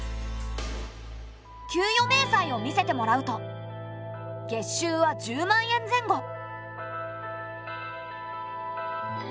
給与明細を見せてもらうと月収は１０万円前後。